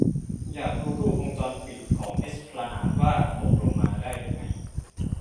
อยากดูรูปวงจรปิดของเอสพลานาดว่าตกลงมาได้ยังไง